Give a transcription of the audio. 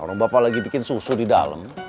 orang bapak lagi bikin susu di dalam